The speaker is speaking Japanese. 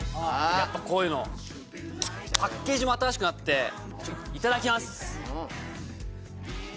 やっぱこういうのパッケージも新しくなっていただきます！